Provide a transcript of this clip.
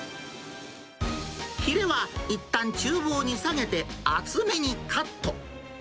ヒレはいったんちゅう房に下げて、厚めにカット。